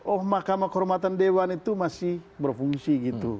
oh mahkamah kormatan dewan itu masih berfungsi